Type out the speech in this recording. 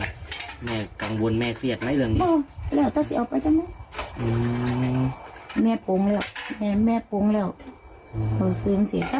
ก็ได้ประโหลดตัวนี่มาให้มีเด็กนั่ง้วย